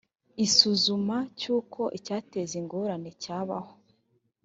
isuzuma ry uko icyateza ingorane cyabaho